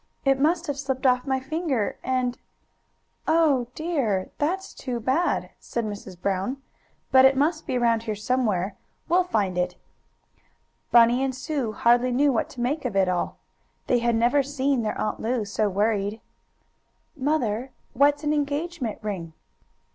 "It must have slipped off my finger, and " "Oh dear! That's too bad!" said Mrs. Brown. "But it must be around here somewhere. We'll find it!" Bunny and Sue hardly knew what to make of it all. They had never seen their Aunt Lu so worried. "Mother, what's an engagement ring?"